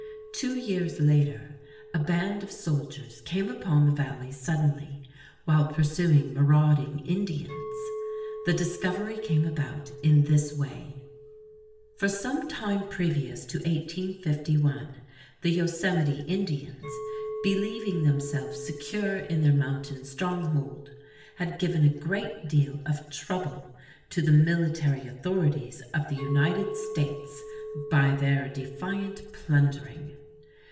Two years later a band of soldiers came upon the Valley suddenly while pursuing marauding Indians. The discovery came about in this way: For some time previous to 1851 the Yosemite Indians, believing themselves secure in their mountain stronghold, had given a great deal of trouble to the military authorities of the United States by their defiant plundering.